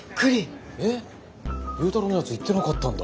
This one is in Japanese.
勇太郎のやつ言ってなかったんだ。